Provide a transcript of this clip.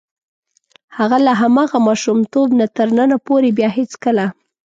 هغه له هماغه ماشومتوب نه تر ننه پورې بیا هېڅکله.